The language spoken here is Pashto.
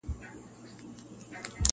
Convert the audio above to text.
او که هسي شین امي نیم مسلمان یې-